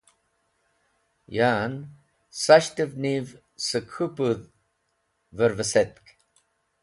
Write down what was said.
Yan yshtẽv niv sẽk k̃hũ pũdh vẽrvẽsetk.